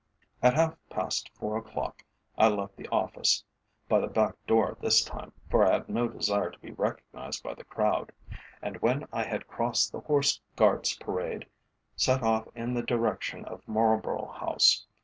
At half past four o'clock I left the office by the back door this time, for I had no desire to be recognised by the crowd and when I had crossed the Horse Guards Parade, set off in the direction of Marlborough House.